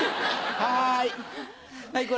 はい。